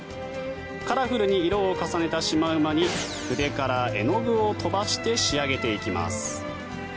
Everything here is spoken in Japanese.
カラフルに色を重ねたシマウマに筆から絵の具を飛ばして仕上げていきます。